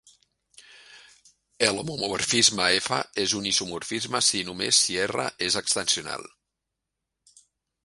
El homomorfisme "F" és un isomorfisme si i només si "R" és extensional.